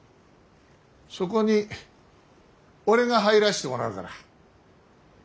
そこに俺が入らしてもらうから。